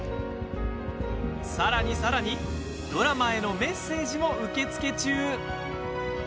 さらに、さらにドラマへのメッセージも受け付け中。